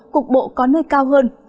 cục bộ có nơi cao hơn